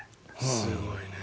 すごいね。